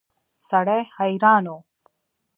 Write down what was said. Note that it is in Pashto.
سړی حیران و.